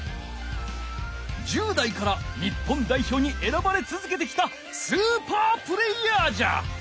１０代から日本代表に選ばれつづけてきたスーパープレーヤーじゃ！